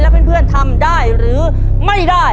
ได้ครับ